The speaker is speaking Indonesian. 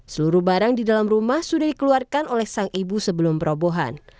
seluruh barang di dalam rumah sudah dikeluarkan oleh sang ibu sebelum perobohan